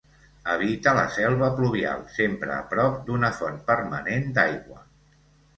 Habita la selva pluvial, sempre a prop d'una font permanent d'aigua.